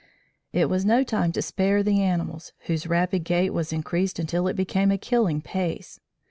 It was no time to spare the animals, whose rapid gait was increased until it became a killing pace.